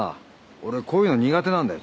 俺こういうの苦手なんだよ。